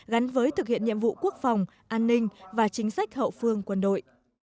gắn với thực hiện nhiệm vụ quốc phòng an ninh và chính sách hậu phương quân đội